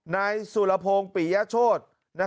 นายสุรพงศ์ปิยโชธ